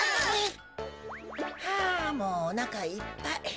はあもうおなかいっぱい。